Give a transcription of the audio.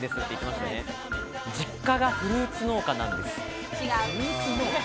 実家がフルーツ農家なんです。